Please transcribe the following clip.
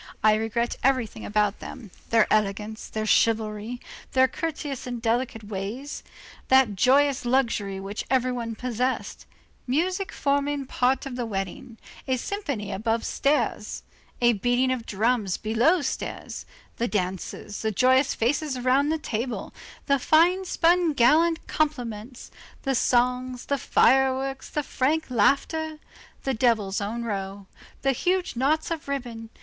I regret everything about them, their elegance, their chivalry, those courteous and delicate ways, that joyous luxury which every one possessed, music forming part of the wedding, a symphony above stairs, a beating of drums below stairs, the dances, the joyous faces round the table, the fine spun gallant compliments, the songs, the fireworks, the frank laughter, the devil's own row, the huge knots of ribbon.